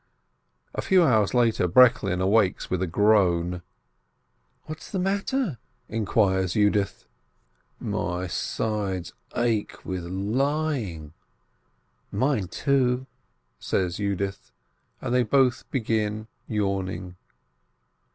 A few hours later Breklin wakes with a groan. 380 S. LIBIN "What is the matter?" inquires Yudith. "My sides ache with lying." "Mine, too," says Yudith, and they both begin yawn ing.